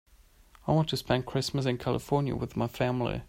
I want to spend Christmas in California with my family.